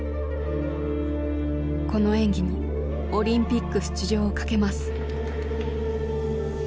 この演技にオリンピック出場をかけます。